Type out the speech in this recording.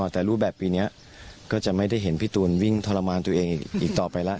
แต่รูปแบบปีนี้ก็จะไม่ได้เห็นพี่ตูนวิ่งทรมานตัวเองอีกต่อไปแล้ว